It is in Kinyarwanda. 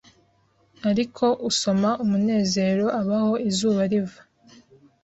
Ariko usoma umunezero Abaho izuba riva